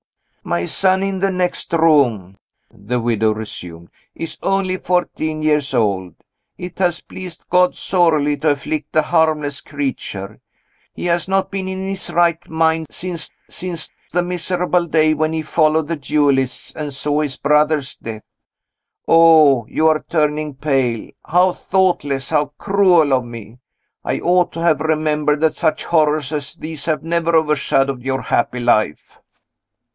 "My son in the next room," the widow resumed, "is only fourteen years old. It has pleased God sorely to afflict a harmless creature. He has not been in his right mind since since the miserable day when he followed the duelists, and saw his brother's death. Oh! you are turning pale! How thoughtless, how cruel of me! I ought to have remembered that such horrors as these have never overshadowed your happy life!"